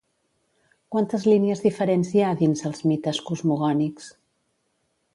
Quantes línies diferents hi ha dins els mites cosmogònics?